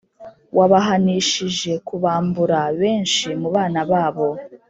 wabahanishije kubambura benshi mu bana babo,